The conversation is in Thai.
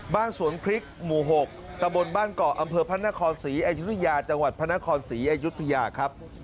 บ้านสวนพริกหมู่๖ตะบนบ้านเกาะอำเภอพระนครศรีอยุธยาจังหวัดพระนครศรีอยุธยาครับ